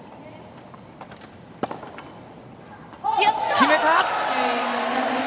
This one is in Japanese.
決めた！